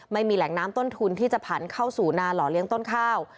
ไม่มีแหล่งน้ำต้นทุนที่จะผันเข้าสู่นาหล่อเลี้ยงต้นข้าว